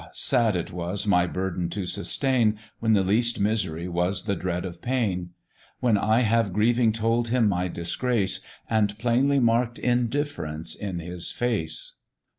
sad it was my burthen to sustain, When the least misery was the dread of pain; When I have grieving told him my disgrace, And plainly mark'd indifference in his face.